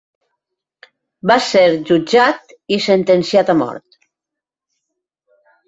Va ser jutjat i sentenciat a mort.